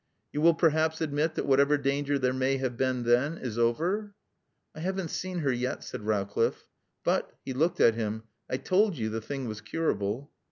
"You will perhaps admit that whatever danger there may have been then is over?" "I haven't seen her yet," said Rowcliffe. "But" he looked at him "I told you the thing was curable."